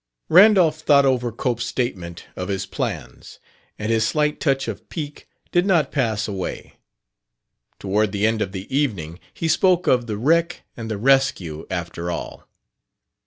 Randolph thought over Cope's statement of his plans, and his slight touch of pique did not pass away. Toward the end of the evening, he spoke of the wreck and the rescue, after all.